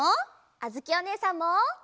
あづきおねえさんも！